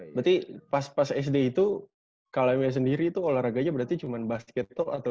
berarti pas sd itu kalau emak sendiri itu olahraganya berarti cuman basket atau